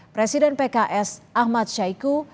presiden pks ahmad syaiqo